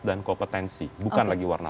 dan kompetensi bukan lagi warna